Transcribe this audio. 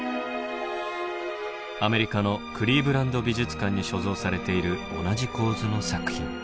アメリカのクリーブランド美術館に所蔵されている同じ構図の作品。